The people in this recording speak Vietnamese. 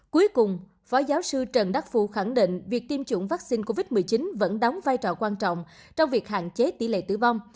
cuối cùng phó giáo sư trần đắc phu khẳng định việc tiêm chủng vaccine covid một mươi chín vẫn đóng vai trò quan trọng trong việc hạn chế tỷ lệ tử vong